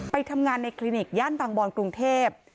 ไปทำงานในคลินิกย่านบางบอนกรุงเทพ